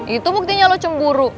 itu buktinya lu cemburu